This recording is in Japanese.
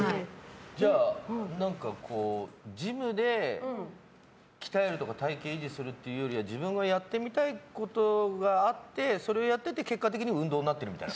じゃあ、ジムで鍛えるとか体形維持するっていうよりは自分がやってみたいことがあってそれをやってて結果的に運動になってるみたいな？